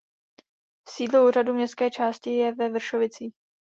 Sídlo úřadu městské části je ve Vršovicích.